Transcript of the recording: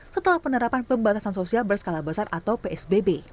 setelah penerapan pembatasan sosial berskala besar atau psbb